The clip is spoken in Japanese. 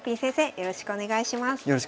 よろしくお願いします。